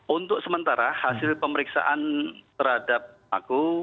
untuk sementara hasil pemeriksaan terhadap aku